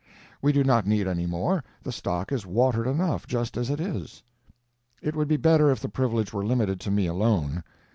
We do not need any more, the stock is watered enough, just as it is. It would be better if the privilege were limited to me alone.